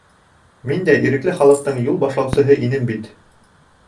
Мин дә Ирекле Халыҡтың юл башлаусыһы инем бит.